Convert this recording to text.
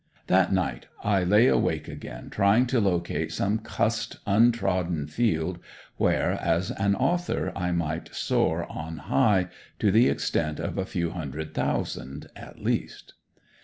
That night I lay awake again, trying to locate some "cussed" untrodden field, where, as an author, I might soar on high to the extent of a few hundred thousand at least.